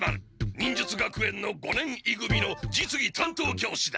忍術学園の五年い組の実技担当教師だ。